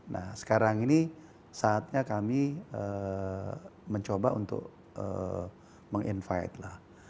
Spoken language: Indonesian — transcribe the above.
nah sekarang ini saatnya kami mencoba untuk meng invite lah